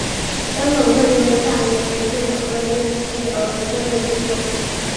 香港各界为下一任行政长官的任期而争论不休。